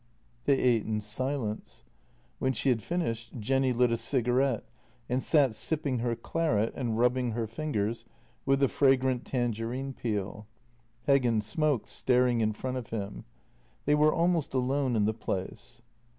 They ate in silence. When she had finished Jenny lit a cigarette, and sat sipping her claret and rubbing her fingers with the fragrant tangerine peel. Heggen smoked, staring in front of him. They were almost alone in the place.